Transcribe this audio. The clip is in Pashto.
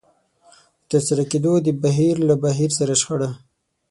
د ترسره کېدو د بهير له بهير سره شخړه.